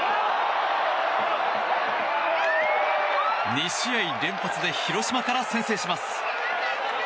２試合連発で広島から先制します。